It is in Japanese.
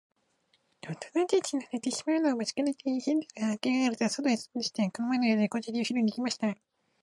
おとなたちの寝てしまうのを待ちかねて、ヘンゼルはおきあがると、そとへとび出して、この前のように小砂利をひろいに行こうとしました。